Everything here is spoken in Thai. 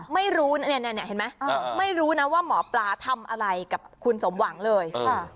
ไม่รู้เนี่ยเห็นไหมไม่รู้นะว่าหมอปลาทำอะไรกับคุณสมหวังเลย